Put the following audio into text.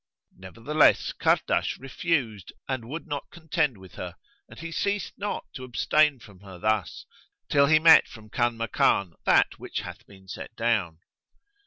Nevertheless Kahrdash refused and would not contend with her, and he ceased not to abstain from her thus, till he met from Kanmakan that which hath been set down.